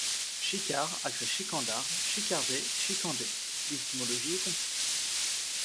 Chicard a créé chicandard, chicarder, chicander ; l’étymologie est complète.